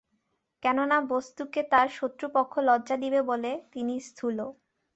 কেননা, বস্তুকে তার শত্রুপক্ষ লজ্জা দিয়ে বলে, তুমি স্থূল।